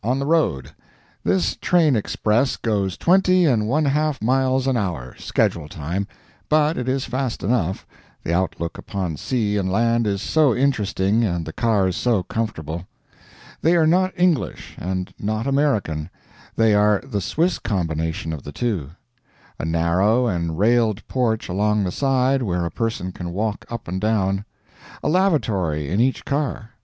On the road. This train express goes twenty and one half miles an hour, schedule time; but it is fast enough, the outlook upon sea and land is so interesting, and the cars so comfortable. They are not English, and not American; they are the Swiss combination of the two. A narrow and railed porch along the side, where a person can walk up and down. A lavatory in each car.